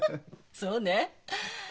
そうね。